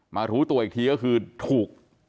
รู้ตัวอีกทีก็คือถูก